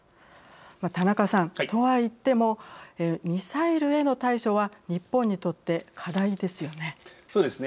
田中さん、とは言ってもミサイルへの対処は日本にとって課題ですよね。